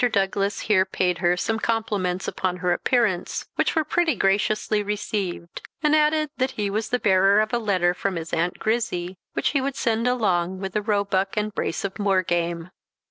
Douglas here paid her some compliments upon her appearance, which were pretty graciously received; and added that he was the bearer of a letter from his Aunt Grizzy, which he would send along with a roebuck and brace of moor game.